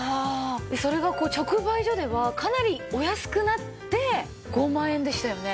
それが直売所ではかなりお安くなって５万円でしたよね？